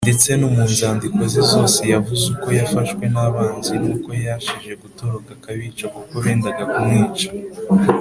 ndetse no mu nzandiko ze zose yavuze uko yafashwe n’abanzi nuko yashije gutoroka akabacika kuko bendaga kumwica.